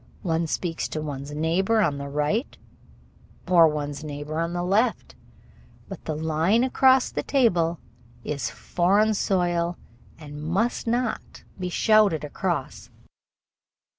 One speaks to one's neighbor on the right or to one's neighbor on the left; but the line across the table is foreign soil and must not be shouted across.